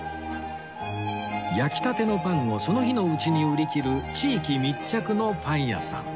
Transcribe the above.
焼きたてのパンをその日のうちに売り切る地域密着のパン屋さん